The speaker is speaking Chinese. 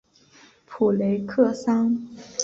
普雷克桑。